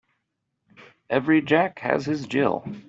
Every Jack has his Jill.